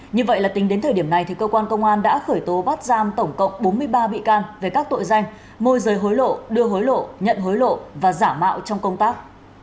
như vậy là tính đến thời điểm này cơ quan công an đã khởi tố bắt giam tổng cộng bốn mươi ba bị can về các tội danh môi rời hối lộ đưa hối lộ nhận hối lộ và giả mạo trong công tác